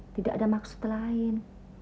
tidak ada maksud lain